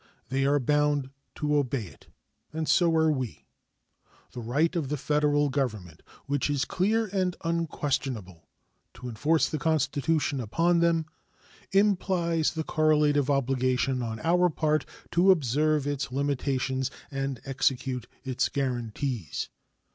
They are bound to obey it, and so are we. The right of the Federal Government, which is clear and unquestionable, to enforce the Constitution upon them implies the correlative obligation on our part to observe its limitations and execute its guaranties.